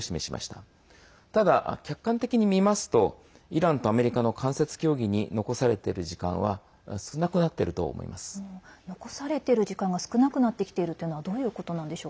ただ、客観的に見ますとイランとアメリカの間接協議に残されている時間は少なくなっていると思います。